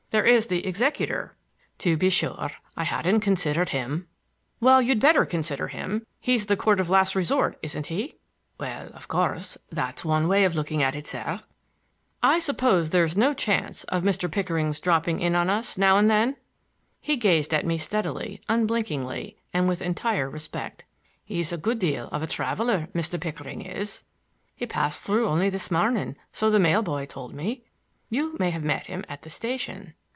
There is the executor—" "To be sure; I hadn't considered him." "Well, you'd better consider him. He's the court of last resort, isn't he?" "Well, of course, that's one way of looking at it, sir. "I suppose there's no chance of Mr. Pickering's dropping in on us now and then." He gazed at me steadily, unblinkingly and with entire respect. "He's a good deal of a traveler, Mr. Pickering is. He passed through only this morning, so the mail boy told me. You may have met him at the station."